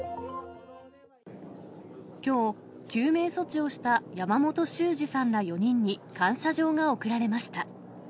きょう、救命措置をした山本修史さんら４人に、感謝状が贈られました。